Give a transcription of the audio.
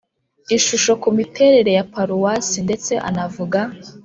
ishusho ku miterere ya paruwasi ndetse anavuga